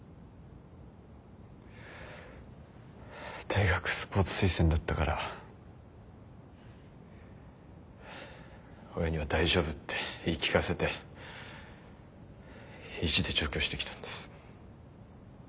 大学スポーツ推薦だったから親には大丈夫って言い聞かせて意地で上京してきたんです。